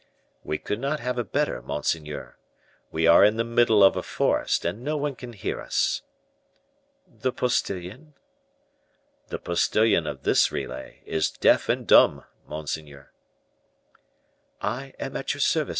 "We could not have a better, monseigneur. We are in the middle of a forest, and no one can hear us." "The postilion?" "The postilion of this relay is deaf and dumb, monseigneur." "I am at your service, M.